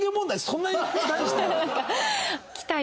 そんなに大して。